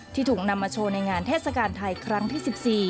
ถูกนำมาโชว์ในงานเทศกาลไทยครั้งที่๑๔